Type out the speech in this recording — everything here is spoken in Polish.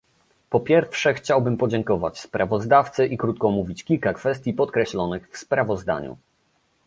Po pierwsze chciałbym podziękować sprawozdawcy i krótko omówić kilka kwestii podkreślonych w sprawozdaniu